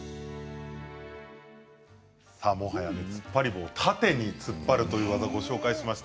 もはや、つっぱり棒を縦に突っ張るという技をご紹介しました。